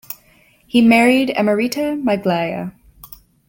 He married Emerita Maglaya.